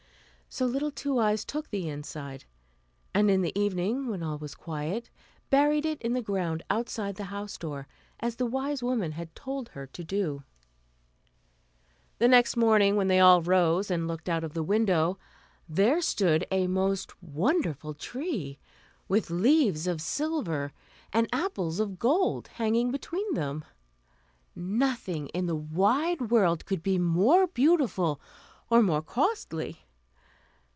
So little Two Eyes took the inside; and in the evening, when all was quiet, buried it in the ground outside the house door, as the wise woman had told her to do. The next morning, when they all rose and looked out of the window, there stood a most wonderful tree, with leaves of silver and apples of gold hanging between them. Nothing in the wide world could be more beautiful or more costly.